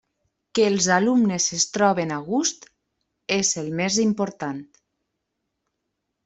Que els alumnes que es troben a gust és el més important.